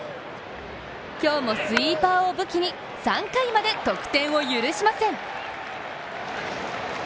今日もスイーパーを武器に３回まで得点を許しません。